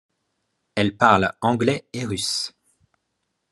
Elle parle anglais et russe.